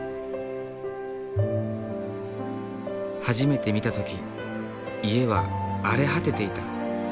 初めて見た時家は荒れ果てていた。